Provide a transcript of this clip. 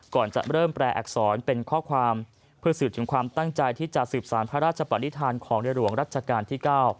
ก่อนจะเริ่มแปลอักษรเป็นข้อความเพื่อสืบถึงความตั้งใจที่จะสืบสารพระราชปนิษฐานของในหลวงรัชกาลที่๙